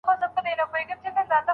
د اولس برخه